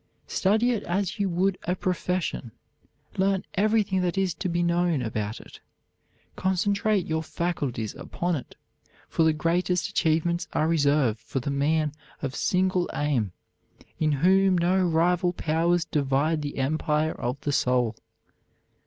Study it as you would a profession. Learn everything that is to be known about it. Concentrate your faculties upon it, for the greatest achievements are reserved for the man of single aim, in whom no rival powers divide the empire of the soul.